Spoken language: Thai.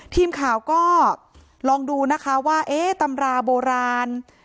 ทีมข่าวก็ลองดูนะคะว่าเอ๊ะตำราโบราณ